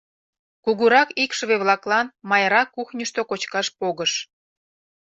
Кугурак икшыве-влаклан Майра кухньышто кочкаш погыш.